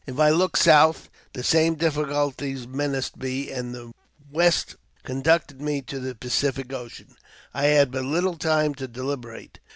If I looked south the same difficulties menaced me, and the west conducted me to the Pacific Ocean. I had but little time to deliberate.